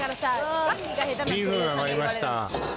ビーフン上がりました。